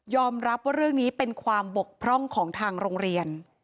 รับว่าเรื่องนี้เป็นความบกพร่องของทางโรงเรียน